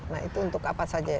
nah itu untuk apa saja ya